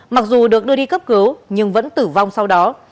mặc dù được đưa đi cấp cứu nhưng vẫn tử vong sau đó